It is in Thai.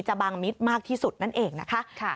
บางมิตรมากที่สุดนั่นเองนะคะ